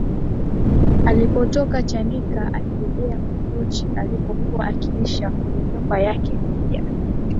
Alipotoka chanika alirejea kunduchi alipokua akiisha kwenye nyumba yake mpya